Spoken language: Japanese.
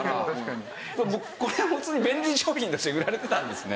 これは普通に便利商品として売られてたんですね。